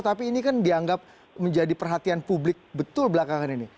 tapi ini kan dianggap menjadi perhatian publik betul belakangan ini